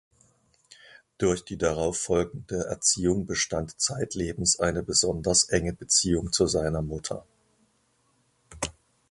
Durch die darauf folgende Erziehung bestand zeitlebens eine besonders enge Beziehung zu seiner Mutter.